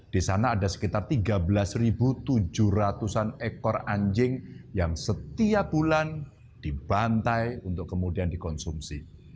di sana ada sekitar tiga belas tujuh ratus an ekor anjing yang setiap bulan dibantai untuk kemudian dikonsumsi